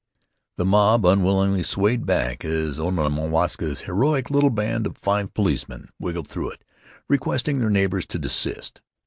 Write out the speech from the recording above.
The mob unwillingly swayed back as Onamwaska's heroic little band of five policemen wriggled through it, requesting their neighbors to desist....